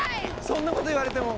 そんなこと言われても。